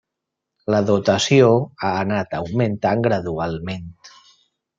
La dotació ha anat augmentant gradualment.